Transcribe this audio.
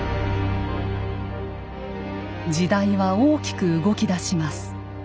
時代は大きく動きだします。